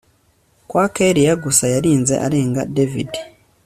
kwa kellia gusa yarinze arenga david